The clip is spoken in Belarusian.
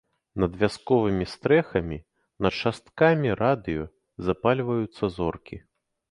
Над вясковымі стрэхамі, над шасткамі радыё запальваюцца зоркі.